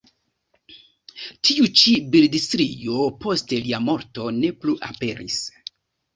Tiu ĉi bildstrio post lia morto ne plu aperis.